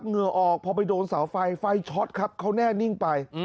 เหงื่อออกพอไปโดนเสาไฟไฟช็อตครับเขาแน่นิ่งไป